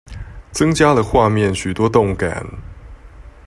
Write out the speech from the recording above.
增加了畫面許多動感